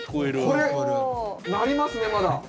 これ鳴りますねまだ。